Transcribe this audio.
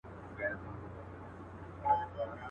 کښتي وان ویل مُلا صرفي لا څه دي.